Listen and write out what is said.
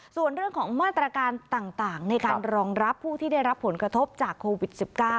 ส่วนเรื่องของมาตรการต่างในการรองรับผู้ที่ได้รับผลกระทบจากโควิด๑๙